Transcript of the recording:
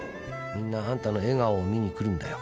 みんなあんたの笑顔を見に来るんだよ」